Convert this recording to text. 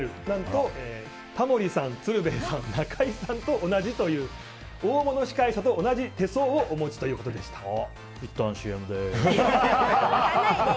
何と、タモリさん、鶴瓶さん中居さんと同じという大物司会者と同じ手相をお持ちということでした。